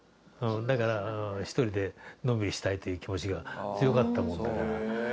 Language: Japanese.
だから１人でのんびりしたいという気持ちが強かったもんだから。